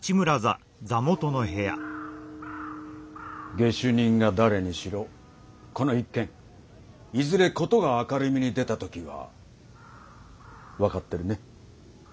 下手人が誰にしろこの一件いずれ事が明るみに出たときは分かってるね？